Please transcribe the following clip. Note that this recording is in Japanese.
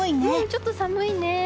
ちょっと寒いね。